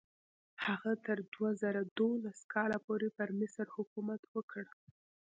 هغه تر دوه زره دولس کال پورې پر مصر حکومت وکړ.